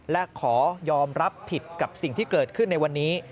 และขอยอมรับผิดกับสิ่งที่เกิดขึ้นในวันนี้